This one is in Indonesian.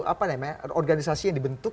apa namanya organisasi yang dibentuk